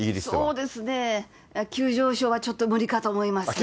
そうですね、急上昇はちょっと無理かと思います。